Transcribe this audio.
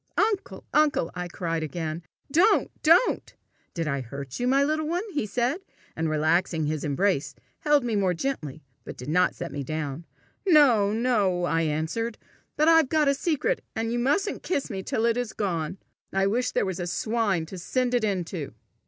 "Uncle! uncle!" I cried again. "Don't! Don't!" "Did I hurt you, my little one?" he said, and relaxing his embrace, held me more gently, but did not set me down. "No, no!" I answered. "But I've got a secret, and you mustn't kiss me till it is gone. I wish there was a swine to send it into!"